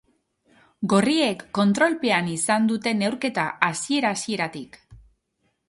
Gorriek kontrolpean izan dute neurketa hasiera-hasieratik.